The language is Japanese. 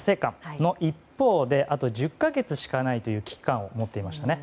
その一方であと１０か月しかないという危機感を持っていましたね。